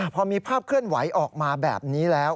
พอมีภาพเคลื่อนไหวออกมาแบบนี้แล้ว